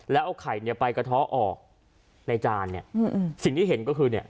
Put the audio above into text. แล้วเอาไข่เนี่ยไปกระท้อออกในจานเนี่ยสิ่งที่เห็นก็คือเนี่ย